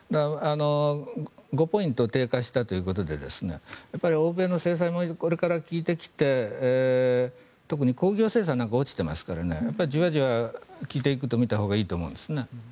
５ポイント低下したということで欧米の制裁もこれから効いてきて特に工業生産なんか落ちていますからやっぱり、じわじわ効いていくとみたほうがいいと思うんですね。